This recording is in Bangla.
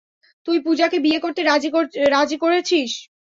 তুই পুজাকে বিয়ে করতে রাজি করেছিস।